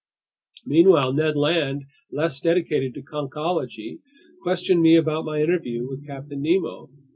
Meanwhile Ned Land, less dedicated to conchology, questioned me about my interview with Captain Nemo.